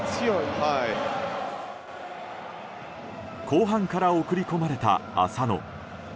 後半から送り込まれた浅野。